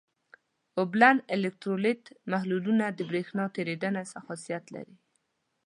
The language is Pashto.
اوبلن الکترولیت محلولونه برېښنا تیریدنه خاصیت لري.